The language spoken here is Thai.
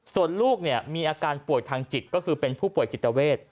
ส่วนลูกมีอาการป่วยทางจิตก็คือเป็นผู้ป่วยจิตเวท